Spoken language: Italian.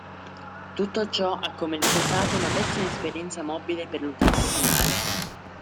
Tutto ciò ha come risultato una pessima esperienza mobile per l'utente finale.